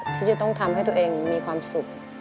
ที่จะต้องทำให้ตัวเองมีความสุข